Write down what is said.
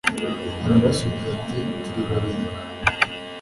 Arabasubiza ati Turi barindwi